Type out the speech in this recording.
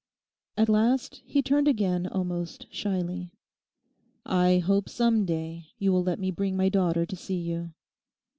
At last he turned again almost shyly. 'I hope some day you will let me bring my daughter to see you.